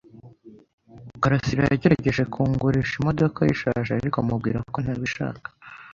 karasira yagerageje kungurisha imodoka ye ishaje, ariko mubwira ko ntabishaka.